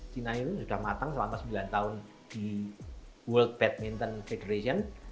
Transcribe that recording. china itu sudah matang selama sembilan tahun di world badminton federation